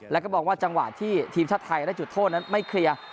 แล้วก็มองว่าจังหวะที่ทีมชาติไทยได้จุดโทษนั้นไม่เคลียร์